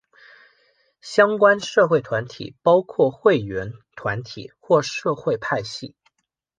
相关社会团体包括会员团体或社会派系。